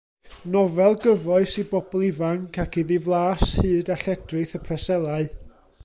Nofel gyfoes i bobl ifanc ac iddi flas hud a lledrith y Preselau.